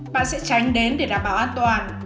bạn sẽ tránh đến để đảm bảo an toàn